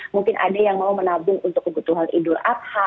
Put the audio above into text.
mungkin ada yang mau menabung untuk kebutuhan hidup